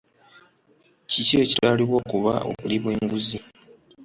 Kiki ekitwalibwa okuba obuli bw'enguzi?